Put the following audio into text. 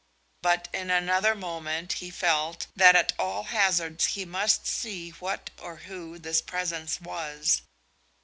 But in another moment he felt that at all hazards he must see what or who this presence was.